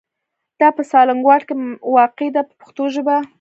دا په سالنګ واټ کې واقع ده په پښتو ژبه.